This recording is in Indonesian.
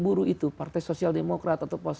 buruh itu partai sosial demokrat atau pos